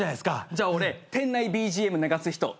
じゃあ俺店内ＢＧＭ流す人やるわ。